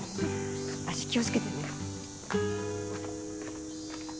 足気を付けてね。